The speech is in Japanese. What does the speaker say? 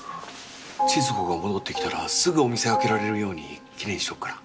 千鶴子が戻ってきたらすぐお店開けられるようにキレイにしとくから。